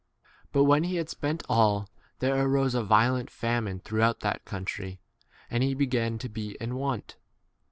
But when he had spent all, there arose a violent famine throughout that country, 15 and he began to be in want.